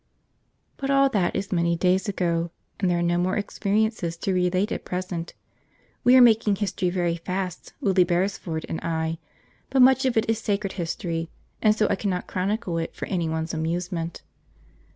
.... But all that is many days ago, and there are no more experiences to relate at present. We are making history very fast, Willie Beresford and I, but much of it is sacred history, and so I cannot chronicle it for any one's amusement.